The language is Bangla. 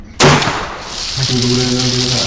হাসিমুখে বললেন, জেসমিন চৌধুরী।